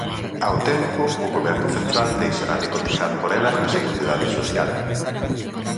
Ao tempo, o Goberno central deixará de cotizar por elas na Seguridade Social.